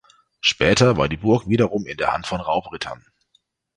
Später war die Burg wiederum in der Hand von Raubrittern.